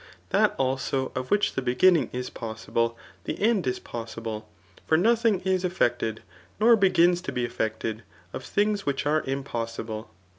That also of which die beginning is possible the end is possible ; for nothing is effected, nor begins to be effected, of things which iate impossible.